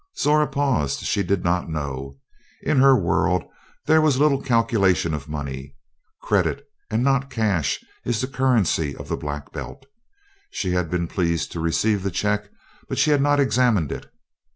Zora paused; she did not know. In her world there was little calculation of money. Credit and not cash is the currency of the Black Belt. She had been pleased to receive the check, but she had not examined it.